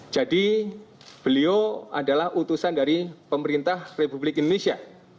jadi beliau adalah utusan dari pemerintah republik indonesia